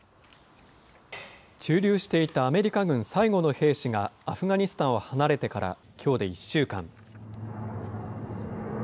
駐留していたアメリカ軍最後の兵士が、アフガニスタンを離れてからきょうで１週間。